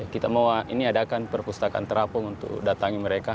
kita mau ini adakan perpustakaan terapung untuk datangi mereka